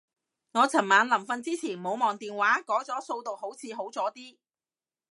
我尋晚臨瞓之前冇望電話，改做數獨好似好咗啲